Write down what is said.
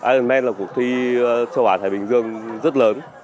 irelandm là cuộc thi châu á thái bình dương rất lớn